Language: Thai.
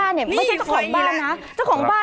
นี่ควันอีกแล้ว